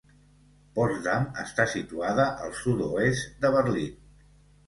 Potsdam està situada al sud-oest de Berlín.